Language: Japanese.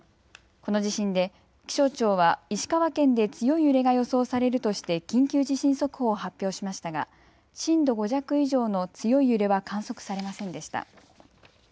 この地震で気象庁は石川県で強い揺れが予想されるとして緊急地震速報を発表しましたが震度５弱以上の強い揺れは観測されませんでした。